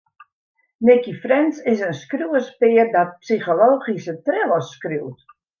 Nicci French is in skriuwerspear dat psychologyske thrillers skriuwt.